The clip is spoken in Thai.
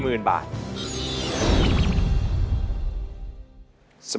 ไม่ใช้